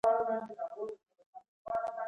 څومره بدمرغه هوښیاري؟